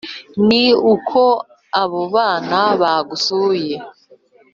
ni uko abo bana bagusuye